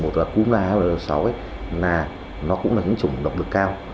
các cúm ah năm n một và cúm ah sáu nó cũng là những chủng độc lực cao